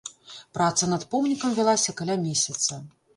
Праца над помнікам вялася каля месяца.